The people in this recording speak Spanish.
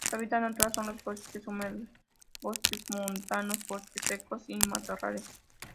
Su hábitat natural son los bosques húmedos, bosques montanos, bosques secos y matorrales.